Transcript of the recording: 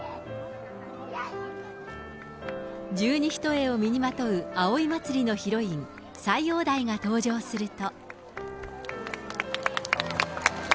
十二ひとえを身にまとう葵祭のヒロイン、斎王代が登場すると。